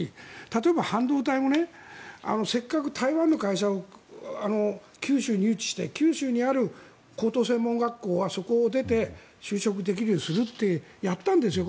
例えば、半導体もせっかく台湾の会社を九州に誘致して九州にある高等専門学校はそこを出て就職できるようにするってやったんですよ。